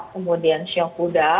kemudian show kuda